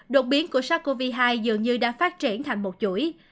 đột biến của sars cov hai dường như đã phát triển thành một chuỗi